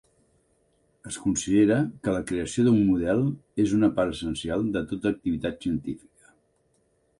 Es considera que la creació d'un model és una part essencial de tota activitat científica.